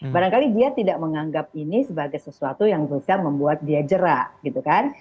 barangkali dia tidak menganggap ini sebagai sesuatu yang bisa membuat dia jerak gitu kan